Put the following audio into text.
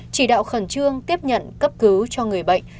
chỉ đạo khẩn trương tiếp nhận cấp cứu cho người bệnh